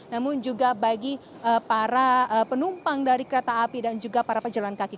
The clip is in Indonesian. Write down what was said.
namun juga bagi para penumpang dari kereta api dan juga para pejalan kaki